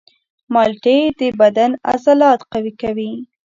مالټې د بدن عضلات قوي کوي.